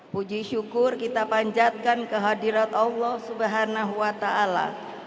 puji syukur kita panjatkan kehadirat allah subhanahu wa ta'ala